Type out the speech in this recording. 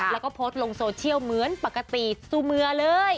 แล้วก็โพสต์ลงโซเชียลเหมือนปกติซูเมื่อเลย